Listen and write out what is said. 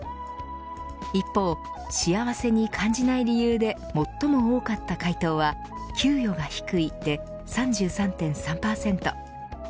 一方、幸せに感じない理由で最も多かった回答は給与が低いで３３．３％。